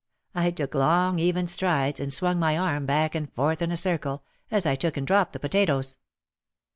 I took long even strides and swung my arm back and forth in a circle, as I took and dropped the potatoes.